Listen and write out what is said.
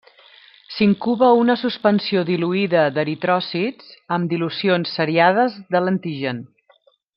S’incuba una suspensió diluïda d’eritròcits amb dilucions seriades de l’antigen.